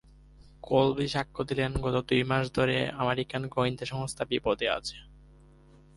কলবি সাক্ষ্য দিলেন, গত দুই মাস ধরে আমেরিকান গোয়েন্দা সংস্থা বিপদে আছে।